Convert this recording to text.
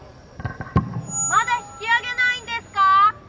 まだ引き上げないんですか？